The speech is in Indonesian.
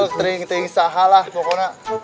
ketering ketering sahalah pokoknya